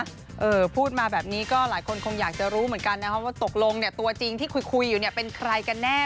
เธอพูดมาแบบนี้ก็หลายคนอยากจะรู้ว่าตัวจริงที่คุยคุยอยู่นี่เป็นใครกันแน่